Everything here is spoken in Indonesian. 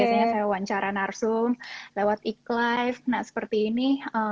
jadi biasanya saya wawancara narsung lewat iklife nah seperti ini